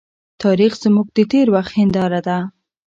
تاريخ زموږ د تېر وخت هنداره ده.